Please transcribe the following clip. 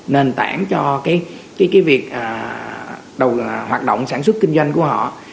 nền tảng cho việc hoạt động sản xuất kinh doanh của họ